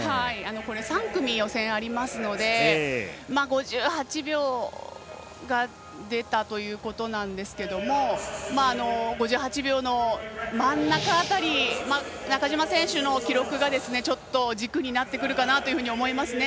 ３組予選ありますので５８秒が出たということなんですが５８秒の真ん中辺り中島選手の記録がちょっと軸になってくるかなと思いますね。